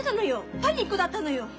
パニックだったのよ。